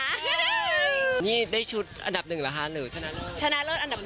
ของนี่ได้ชุดอันดับ๑หรือคุณชนะเลิก